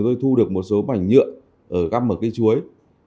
tôi thu được một số mảnh nhựa ở găm ở cây chuối